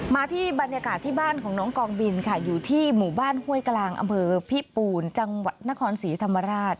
มาที่บรรยากาศที่บ้านของน้องกองบินค่ะอยู่ที่หมู่บ้านห้วยกลางอำเภอพิปูนจังหวัดนครศรีธรรมราช